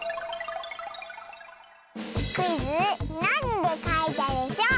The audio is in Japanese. クイズ「なにでかいたでショー」